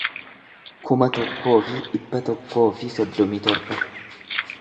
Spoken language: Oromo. kuma tokkoo fi dhibba tokkoo fi soddomii torba